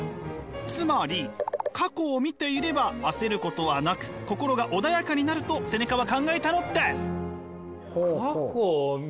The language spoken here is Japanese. つまり過去を見ていれば焦ることはなく心が穏やかになるとセネカは考えたのです！